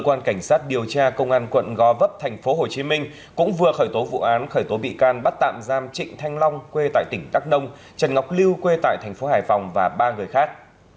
cơ quan cảnh sát điều tra công an quận gò vấp thành phố hồ chí minh cũng vừa khởi tố vụ án khởi tố bị can bắt tạm giam trịnh thanh long quê tại tỉnh đắk đông trần ngọc lưu quê tại thành phố hải phòng và ba người khác